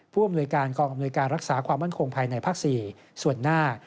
ผู้อำนวยการกองอำนวยการรักษาความมั่นคงภายในภาค๔ส่วนหน้า